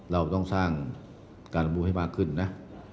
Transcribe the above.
เราต้องสร้างการประมูลให้มากขึ้นนะ